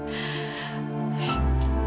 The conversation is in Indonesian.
aku banget mau tidur